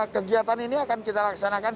kegiatan ini akan kita laksanakan